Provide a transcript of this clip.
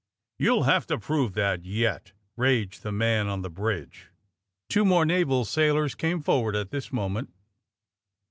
''You'll have to prove that yet!'' raged th© man on the bridge. Two more naval sailors came forward at this moment.